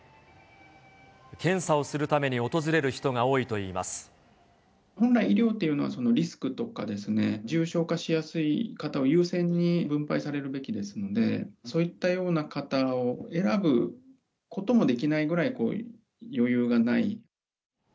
検査をするために訪れる人が本来、医療というのはリスクとかですね、重症化しやすい方を優先に分配されるべきですので、そういったような方を選ぶこともできないぐらい、余裕がない。